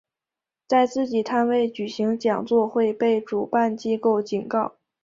在自己摊位举行讲座会被主办机构警告。